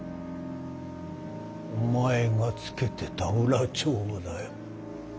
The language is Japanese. お前がつけてた裏帳簿だよ。